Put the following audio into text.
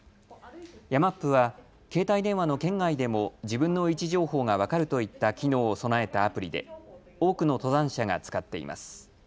ヤマップは携帯電話の圏外でも自分の位置情報が分かるといった機能を備えたアプリで多くの登山者が使っています。